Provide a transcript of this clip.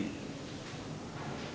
kamu harus segera sembuh juli